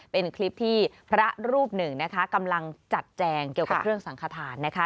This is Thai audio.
เป็นคลิปที่พระรูปหนึ่งนะคะกำลังจัดแจงเกี่ยวกับเครื่องสังขทานนะคะ